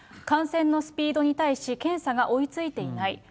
感染のスピードに対し、検査が追いついていない。